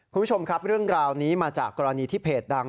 คุณผู้ชมครับเรื่องราวนี้มาจากกรณีที่เพจดัง